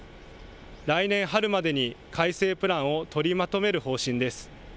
来年春までに改正プランを取りまとめる方針です。